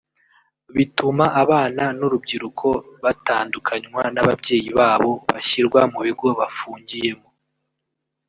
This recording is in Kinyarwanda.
bituma abana n’urubyiruko batandukanywa n’ababyeyi babo bashyirwa mu bigo bafungiyemo